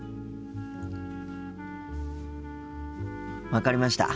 分かりました。